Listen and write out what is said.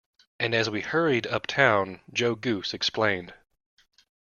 And as we hurried up town, Joe Goose explained.